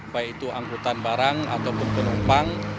baik itu angkutan barang ataupun penumpang